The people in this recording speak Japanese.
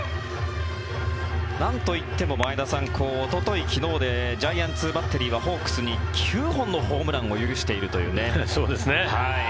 なんと言っても前田さんおととい、昨日でジャイアンツバッテリーはホークスに９本のホームランを許しているという。